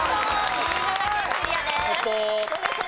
新潟県クリアです。